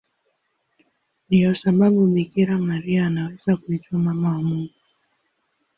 Ndiyo sababu Bikira Maria anaweza kuitwa Mama wa Mungu.